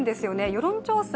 世論調査